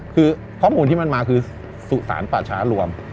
คือข้อมูลที่มันมาคือสุสานป่าช้ารวม